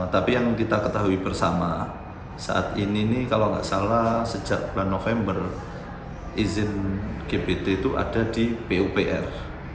tapi yang kita ketahui bersama saat ini nih kalau nggak salah sejak bulan november izin gbt itu ada di pupr